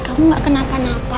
kamu gak kenapa napa